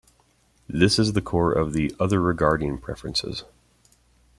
This is the core of the "other-regarding" preferences.